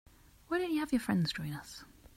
Why don't you have your friends join us?